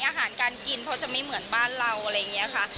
อาหารการกินเพราะจะไม่เหมือนบ้านเรา